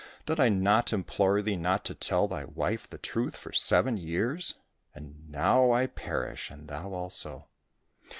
Did I not implore thee not to tell thy wife the truth for seven years ! And now I perish and thou also